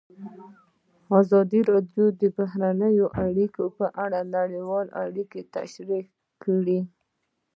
ازادي راډیو د بهرنۍ اړیکې په اړه نړیوالې اړیکې تشریح کړي.